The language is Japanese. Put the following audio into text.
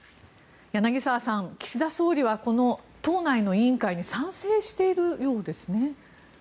柳澤さん岸田総理はこの党内の委員会に賛成しているようですね。